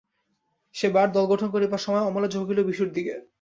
সে-বার দল গঠন করিবার সময় অমলা ঝুঁকিল বিশুর দিকে।